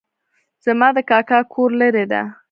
زما د کاکا کور لرې ده